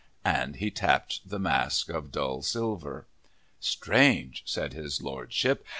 _" And he tapped the mask of dull silver. "Strange!" said his Lordship.